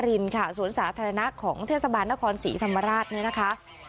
รินค่ะสวนสาธารณะของเทศบาลนครศรีธรรมราชเนี่ยนะคะ